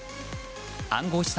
暗号資産